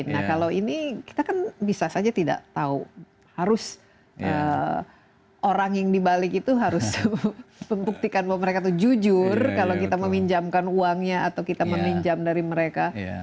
nah kalau ini kita kan bisa saja tidak tahu harus orang yang dibalik itu harus membuktikan bahwa mereka itu jujur kalau kita meminjamkan uangnya atau kita meminjam dari mereka